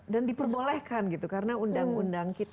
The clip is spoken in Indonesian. dan diperbolehkan gitu karena undang undang kita